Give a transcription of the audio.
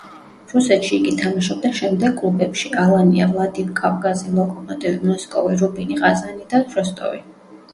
რუსეთში იგი თამაშობდა შემდეგ კლუბებში: „ალანია“ ვლადიკავკაზი, „ლოკომოტივი“ მოსკოვი, „რუბინი“ ყაზანი და „როსტოვი“.